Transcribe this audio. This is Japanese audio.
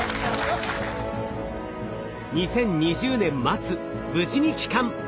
２０２０年末無事に帰還。